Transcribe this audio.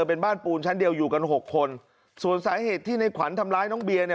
เป็นบ้านปูนชั้นเดียวอยู่กันหกคนส่วนสาเหตุที่ในขวัญทำร้ายน้องเบียร์เนี่ย